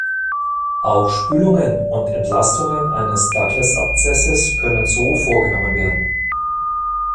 Auch Spülungen und Entlastungen eines Douglas-Abszesses können so vorgenommen werden.